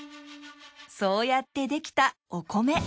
そうやってできたお米。